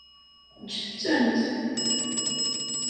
Ǧǧet-tent.